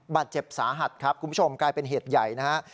บาดเจ็บสาหัสครับคุณผู้ชมกลายเป็นเหตุใหญ่นะฮะ